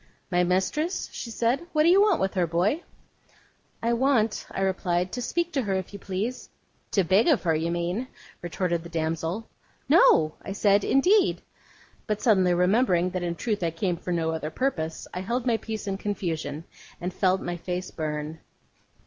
'My mistress?' she said. 'What do you want with her, boy?' 'I want,' I replied, 'to speak to her, if you please.' 'To beg of her, you mean,' retorted the damsel. 'No,' I said, 'indeed.' But suddenly remembering that in truth I came for no other purpose, I held my peace in confusion, and felt my face burn.